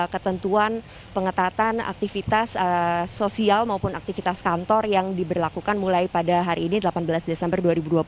ketentuan pengetatan aktivitas sosial maupun aktivitas kantor yang diberlakukan mulai pada hari ini delapan belas desember dua ribu dua puluh